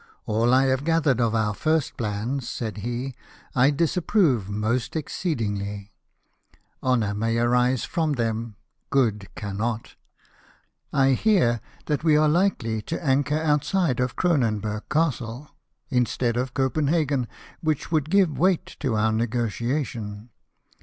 'All I have gathered of our first plans," said he, "I dis approve most exceedingly. Honour may arise from 2H\ LIFE OF NELSON. them, good cannot. I hear we are likely to anchor outside of Cronenburg Castle, instead of Copenhagen which would give weight to our negotiation.